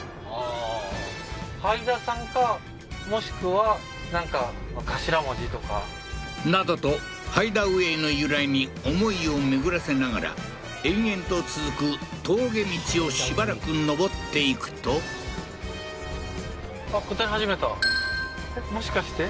もしくはなどとハイダウェイの由来に思いを巡らせながら延々と続く峠道をしばらく上っていくともしかして？